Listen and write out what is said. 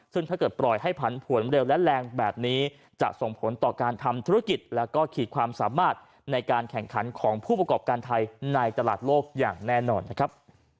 ซึ่งถ้าเกิดปล่อยให้ผันผวนเร็วและแรงแบบนี้จะส่งผลต่อการทำธุรกิจแล้วก็ขีดความสามารถในการแข่งขันของผู้ประกอบการไทยในตลาดโลกอย่างแน่นอนนะครับ